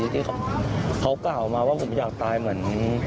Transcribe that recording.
ที่เขาบอกว่าผมอยากตายเหมือน